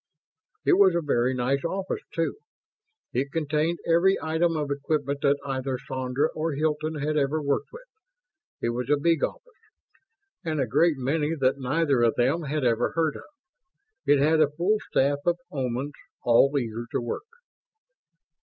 It was a very nice office, too. It contained every item of equipment that either Sandra or Hilton had ever worked with it was a big office and a great many that neither of them had ever heard of. It had a full staff of Omans, all eager to work.